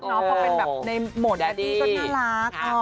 พอเป็นแบบในโหมดแม็ตตี้ก็น่ารัก